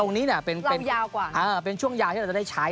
ตรงนี้เป็นช่วงยาวที่เราจะได้ใช้